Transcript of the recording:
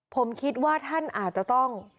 ผมคิดว่าท่านอาจจะต้อง